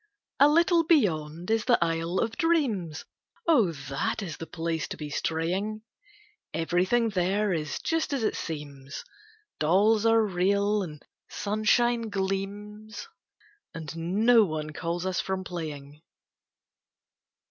A little beyond is the Isle of Dreams; Oh, that is the place to be straying. Everything there is just as it seems; Dolls are real and sunshine gleams, And no one calls us from playing.